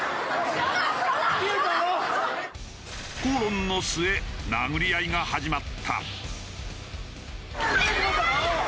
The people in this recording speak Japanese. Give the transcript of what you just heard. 口論の末殴り合いが始まった。